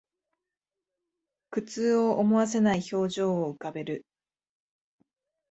苦痛を思わせない表情を浮かべる